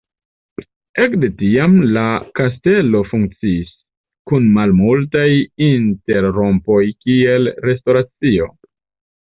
Ekde tiam la kastelo funkciis, kun malmultaj interrompoj, kiel restoracio.